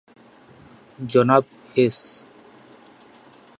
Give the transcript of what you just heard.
জনাব এস।